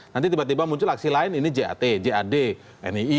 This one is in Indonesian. nanti tiba tiba muncul aksi lain ini jat jad nii